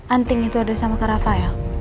anting itu ada sama ke rafael